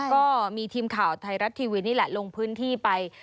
ก็มีทีมข่าวไทยรัฐทีวีนี่แหละลงพื้นที่ไป